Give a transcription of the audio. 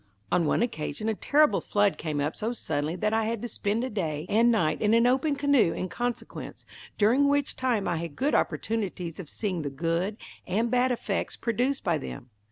On one occasion a terrible flood came up so suddenly that I had to spend a day and night in an open canoe in consequence, during which time I had good opportunities of seeing the good and bad effects produced by them.